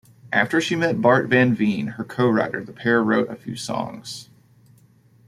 After she met Bart van Veen, her co-writer, the pair wrote a few songs.